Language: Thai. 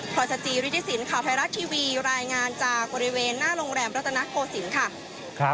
พรสจิริธิสินข่าวไทยรัฐทีวีรายงานจากบริเวณหน้าโรงแรมรัตนโกศิลป์ค่ะ